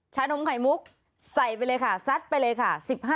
นมไข่มุกใส่ไปเลยค่ะซัดไปเลยค่ะ